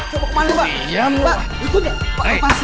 saya mau kemana pak